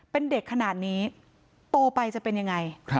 เป็นเด็กขนาดนี้โตไปจะเป็นยังไง